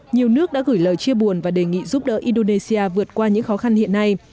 nhiều nước đã gửi lời chia buồn và đề nghị giúp đỡ indonesia vượt qua những khó khăn hiện nay